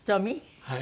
はい。